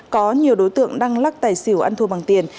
có nhiều đối tượng đang lắc tài xỉu ăn thua bằng tiền